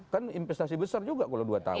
kan investasi besar juga kalau dua tahun